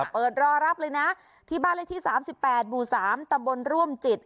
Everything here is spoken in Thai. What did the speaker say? เปิดรอรับเลยนะที่บ้านละที่๓๘บ๓ตะบนร่วมจิต